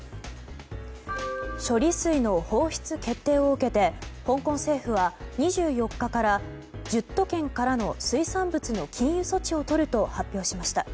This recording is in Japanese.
処理水の放出決定を受けて香港政府は、２４日から１０都県からの水産物の禁輸措置をとると発表しました。